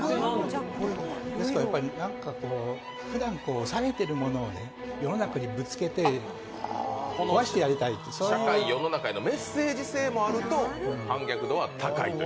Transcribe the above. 何かふだん抑えているものを世の中にぶつけて壊してやりたいと、社会、世の中へのメッセージ性もあると反逆度が高い。